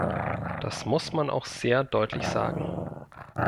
Das muss man auch sehr deutlich sagen.